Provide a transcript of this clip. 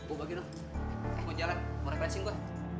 bu bagi dong mau jalan mau refreshing gua